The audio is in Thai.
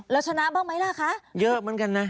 แล้วชนะบ้างไหมล่ะคะเยอะเหมือนกันนะ